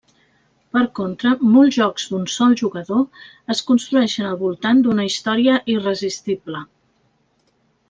Per contra, molts jocs d'un sol jugador es construeixen al voltant d'una història irresistible.